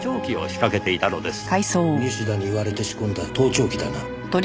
西田に言われて仕込んだ盗聴器だな。